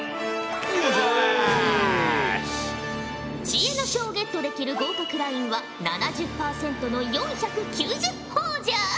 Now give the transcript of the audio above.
知恵の書をゲットできる合格ラインは７０％の４９０ほぉじゃ。